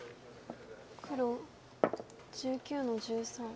黒１９の十三。